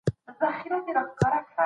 رښتيني انسان هيڅکله دروغ ونه ويل.